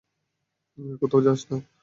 কোথাও যাস না।